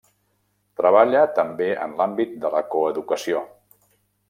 Treballa també en l'àmbit de la coeducació.